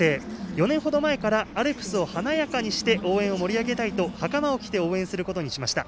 ４年ほど前からアルプスを華やかにして応援を盛り上げたいとはかまを着て応援することにしました。